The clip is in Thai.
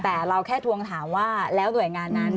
แต่เราแค่ทวงถามว่าแล้วหน่วยงานนั้น